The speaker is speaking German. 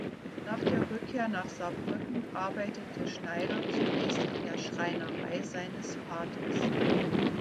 Nach der Rückkehr nach Saarbrücken arbeitete Schneider zunächst in der Schreinerei seines Vaters.